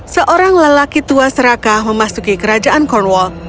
seorang lelaki tua serakah memasuki kerajaan cornwall